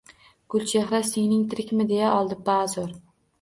— Gulchehra…singling tirikmi? – deya oldi bazo’r.